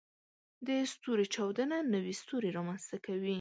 د ستوري چاودنه نوې ستوري رامنځته کوي.